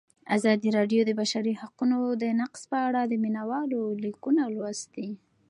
ازادي راډیو د د بشري حقونو نقض په اړه د مینه والو لیکونه لوستي.